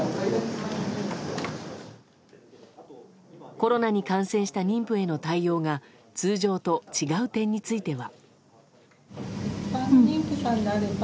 コロナに感染した妊婦への対応が通常と違う点については。